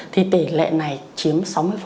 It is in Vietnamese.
thì tỷ lệ này chiếm sáu mươi